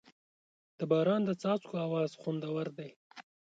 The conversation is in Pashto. د باران د څاڅکو اواز خوندور دی.